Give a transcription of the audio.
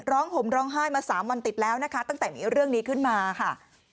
ห่มร้องไห้มา๓วันติดแล้วนะคะตั้งแต่มีเรื่องนี้ขึ้นมาค่ะ